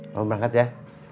mau berangkat ya